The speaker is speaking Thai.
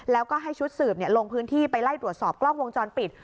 แล้วก็ให้ชุดสืบลงพื้นที่ไปไล่ตรวจสอบกล้องวงจรปิด